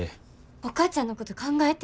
お母ちゃんのこと考えて。